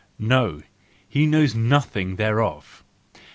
No, he knows nothing thereof.